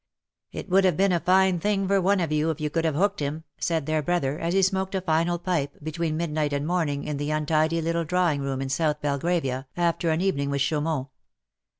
" It would have been a fine thing for one of you if you could have hooked him/^ said their brother, as he smoked a final pipe, between midnight and morning, in the untidy little drawing room in South Belgravia, after an evening with Chaumont.